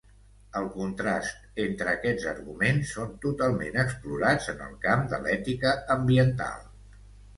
El contrast entre aquests arguments són totalment explorats en el camp de l'ètica ambiental.